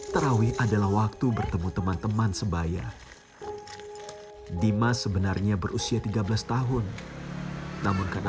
tarawih adalah waktu bertemu teman teman sebaya dimas sebenarnya berusia tiga belas tahun namun karena